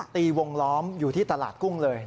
ตีวงล้อมอยู่ที่ตลาดกุ้งเลย